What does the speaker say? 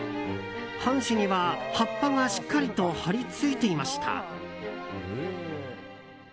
半紙には葉っぱがしっかりと張り付いていました。